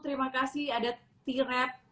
terima kasih ada tiret